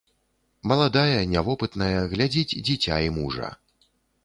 Маладая, нявопытная, глядзіць дзіця і мужа.